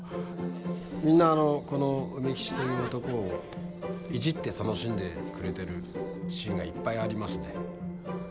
みんなこの梅吉という男をいじって楽しんでくれてるシーンがいっぱいありますね。